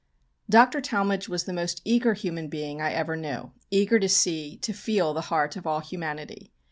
Dr. Talmage was the most eager human being I ever knew, eager to see, to feel the heart of all humanity.